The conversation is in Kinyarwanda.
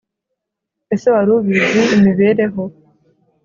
ese wari ubizi imibereho